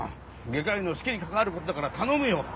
外科医の士気に関わる事だから頼むよ。